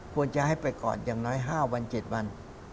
ควรจะให้ไปก่อนอย่างน้อย๕วัน๗วัน